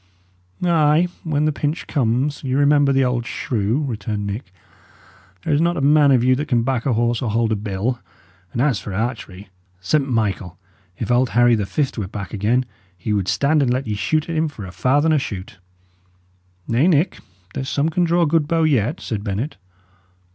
"Ay! when the pinch comes, ye remember the old shoe," returned Nick. "There is not a man of you can back a horse or hold a bill; and as for archery St. Michael! if old Harry the Fift were back again, he would stand and let ye shoot at him for a farthen a shoot!" "Nay, Nick, there's some can draw a good bow yet," said Bennet.